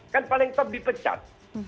kan paling top dipecat